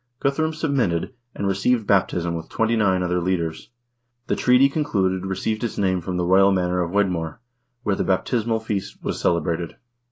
Guthrum submitted, and received baptism with twenty nine other leaders. The treaty concluded received its name from the royal manor of Wedmore, where the baptismal feast was celebrated.